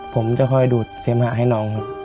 ผมจะคอยดูดเสมหะให้น้องครับ